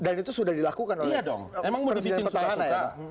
dan itu sudah dilakukan oleh presiden petahana ya